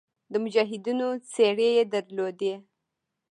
د مجاهدینو څېرې یې درلودې.